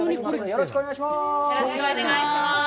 よろしくお願いします。